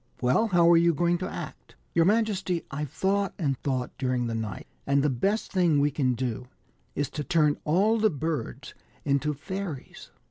" Well, how are you going to act ?" "Your majesty, I've thought and thought during the night, and the best thing we can do is to turn all the birds into fairies."